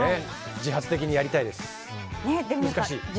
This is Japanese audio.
自発的にやりたいです。